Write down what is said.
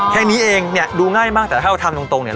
แค่นี้เองเนี่ยดูง่ายมากแต่ถ้าเราทำตรงเนี่ย